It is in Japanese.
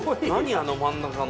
あの真ん中の。